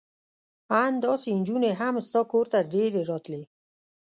ان داسې نجونې هم ستا کور ته ډېرې راتلې.